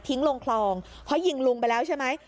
ลงคลองเพราะยิงลุงไปแล้วใช่ไหม